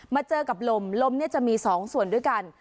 เจอกับลมลมจะมี๒ส่วนด้วยกัน